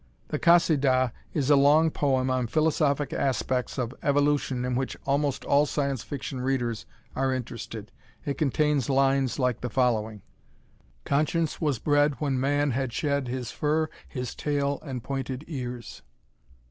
The "Kasidah" is a long poem on philosophic aspects of evolution in which almost all Science Fiction Readers are interested. In contains lines like the following: "Conscience was bred When man had shed His fur, his tail And pointed ears."